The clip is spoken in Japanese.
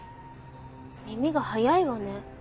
耳が早いわね。